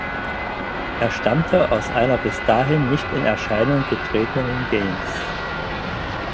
Er stammte aus einer bis dahin nicht in Erscheinung getretenen Gens.